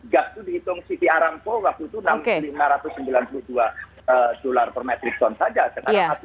gas itu dihitung siti arangpo waktu itu enam lima ratus sembilan puluh dua dolar per meter ton saja